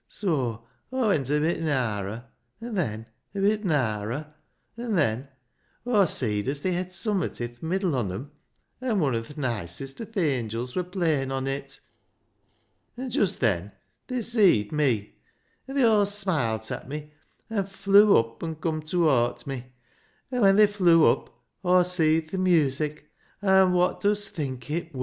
Soa Aw went a bit narer, an' then a bit narer, and then Aw seed as they hed summat i' th' middle on 'em, an' wun o' th' noicest o' th' angils wur playin' on it. An' just then they seed me, an' they aw smilt at me, an' flew up an' cum towart me, an' when they flew up Aw seed th' music, an' wot dust think it wur?